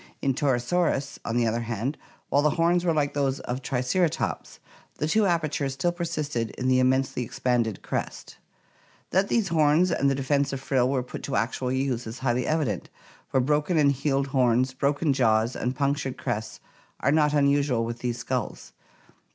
In Torosaurus (Fig. 166, D), on the other hand, while the horns were like those of Triceratops^ the two apertures still persisted in the immensely expanded crest. That these horns and the defensive frill were put to actual use is highly evident, for broken and healed horns, broken jaws, and punctured crests are not unusual with these skulls.